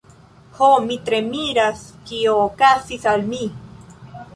Ho, mi tre miras kio okazis al mi.